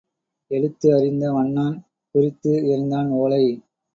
எழுத்து அறிந்த வண்ணான் குறித்து எறிந்தான் ஓலை.